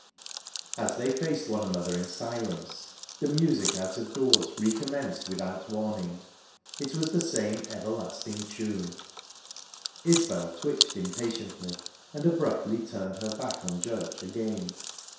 As they faced one another in silence, the music out of doors recommenced without warning. It was the same everlasting tune. Isbel twitched impatiently, and abruptly turned her back on Judge again...